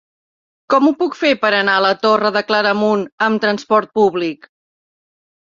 Com ho puc fer per anar a la Torre de Claramunt amb trasport públic?